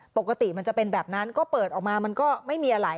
ปกติมันจะเป็นแบบนั้นก็เปิดออกมามันก็ไม่มีอะไร